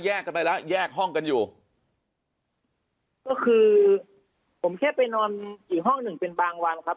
กันไปแล้วแยกห้องกันอยู่ก็คือผมแค่ไปนอนอีกห้องหนึ่งเป็นบางวันครับ